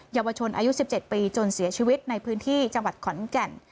เยาวชนอายุ๑๗ปีจนเสียชีวิตในพื้นที่จังหวัดขอนแก่น